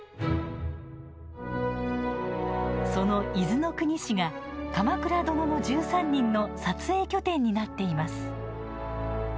その伊豆の国市が「鎌倉殿の１３人」の撮影の拠点になっています。